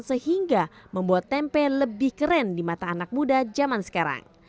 sehingga membuat tempe lebih keren di mata anak muda zaman sekarang